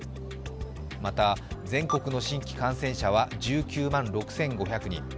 また全国の新規感染者は１９万６５００人。